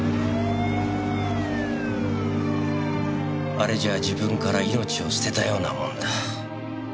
あれじゃ自分から命を捨てたようなものだ。